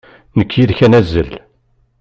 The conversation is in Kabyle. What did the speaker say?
Nekk d yid-k ad nazzel.